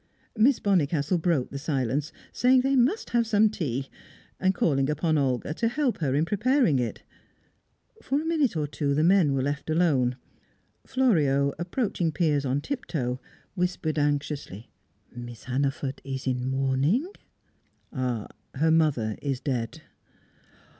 Miss Bonnicastle broke the silence, saying they must have some tea, and calling upon Olga to help her in preparing it. For a minute or two the men were left alone. Florio, approaching Piers on tiptoe, whispered anxiously: "Miss Hannaford is in mourning?" "Her mother is dead."